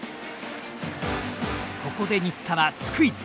ここで新田はスクイズ。